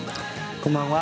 こんばんは。